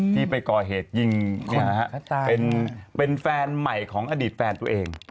ที่ไปก่อเหตุยิงเป็นแฟนใหม่ของอดีตแฟนตัวเอง